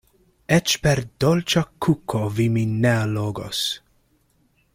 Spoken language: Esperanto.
Eĉ per dolĉa kuko vi min ne allogos.